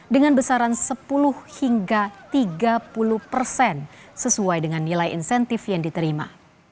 dengan besaran sepuluh hingga tiga puluh persen sesuai dengan nilai insentif yang diterima